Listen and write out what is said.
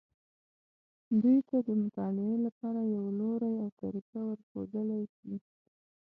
دوی ته د مطالعې لپاره یو لوری او طریقه ورښودلی شي.